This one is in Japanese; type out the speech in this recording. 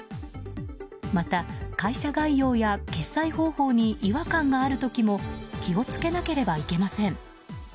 また、会社概要や決済方法に違和感がある時も気を付けなければなりません。